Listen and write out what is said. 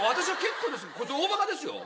こいつ大バカですよ。